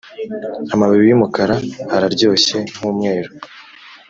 amababi yumukara araryoshye nkumweru